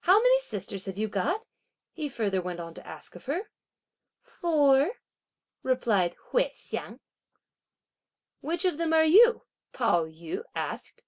"How many sisters have you got?" he further went on to ask of her. "Four," replied Hui Hsiang. "Which of them are you?" Pao yü asked.